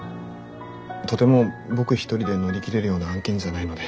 とても僕一人で乗り切れるような案件じゃないので。